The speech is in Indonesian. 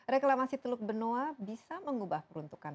reklamasi teluk benoa bisa mengubah peruntukan